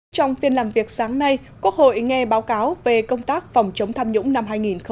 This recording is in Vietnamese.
trong phiên làm việc sáng nay quốc hội nghe báo cáo về công tác phòng chống tham nhũng năm hai nghìn hai mươi